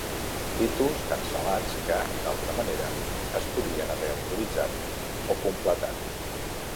Títols cancel·lats que, d'altra manera, es podrien haver autoritzat o completat.